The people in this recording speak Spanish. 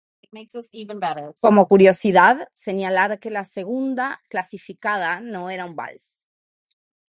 Como curiosidad, señalar que la segunda clasificada no era un vals.